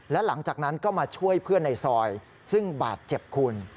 และหลังจากนั้นก็มาช่วยเพื่อนในซอยซึ่งบาดเจ็บคุณ